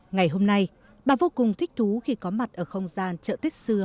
ngày hôm nay bà vô cùng thích thú khi có mặt ở không gian chợ tết xưa